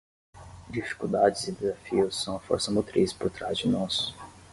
Dificuldades e desafios são a força motriz por trás de nós